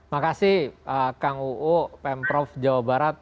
makasih kang uu pemprov jawa barat